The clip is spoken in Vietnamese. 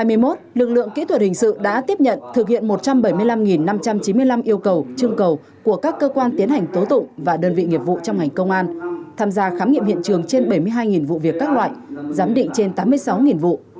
năm hai nghìn hai mươi một lực lượng kỹ thuật hình sự đã tiếp nhận thực hiện một trăm bảy mươi năm năm trăm chín mươi năm yêu cầu trương cầu của các cơ quan tiến hành tố tụ và đơn vị nghiệp vụ trong hành công an tham gia khám nghiệm hiện trường trên bảy mươi hai vụ việc các loại giám định trên tám mươi sáu vụ